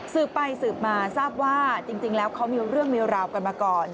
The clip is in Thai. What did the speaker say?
สืบไปสืบมาทราบว่าจริงแล้วเขามีเรื่องมีราวกันมาก่อน